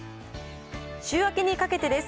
週明けにかけてです。